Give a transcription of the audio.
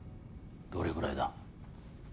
どれぐらいだ？